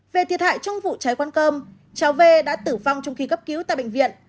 về thiệt hại trong vụ cháy quán cơm cháu v đã tử vong trong khi cấp cứu tại bệnh viện